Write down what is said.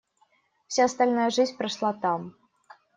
Вся остальная жизнь прошла там.